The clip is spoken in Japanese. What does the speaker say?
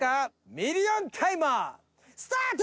ミリオンタイマースタート！